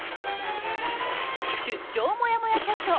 出張もやもやチャット。